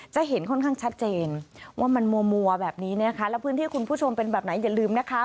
จะเห็นค่อนข้างชัดเจนว่ามันมัวแบบนี้นะคะแล้วพื้นที่คุณผู้ชมเป็นแบบไหนอย่าลืมนะคะ